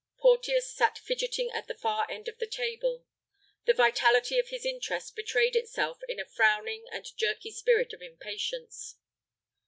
Porteus sat fidgeting at the far end of the table. The vitality of his interest betrayed itself in a frowning and jerky spirit of impatience.